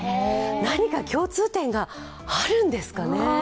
何か共通点があるんですかね。